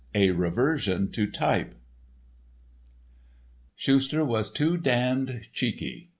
*A Reversion to Type* Schuster was too damned cheeky.